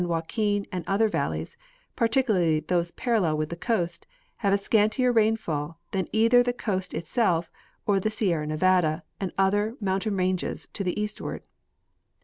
Joaquin and other val leys, particularly those parallel with the coast, have a scantier rainfall than either the coast itself or the Sierra Nevada and other mountain ranges to the eastward.